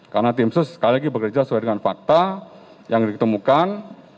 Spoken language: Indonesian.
karena tim sus sekali lagi bekerja sesuai dengan fakta yang ditemukan